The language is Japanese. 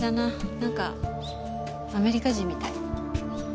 なんかアメリカ人みたい。